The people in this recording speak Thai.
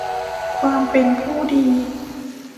ความเป็นผู้ดี